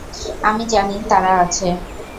আমি জানি তারা আছে।